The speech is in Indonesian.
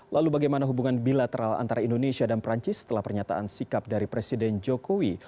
lalu bagaimana hubungan bilateral antara indonesia dan perancis setelah pernyataan sikap dari presiden jokowi